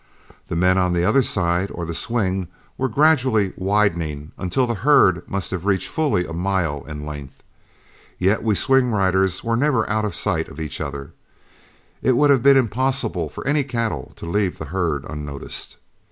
The men on the other side, or the swing, were gradually widening, until the herd must have reached fully a mile in length; yet we swing riders were never out of sight of each other, and it would have been impossible for any cattle to leave the herd unnoticed.